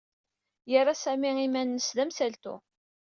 Yerra Sami iman-nnes d amsaltu.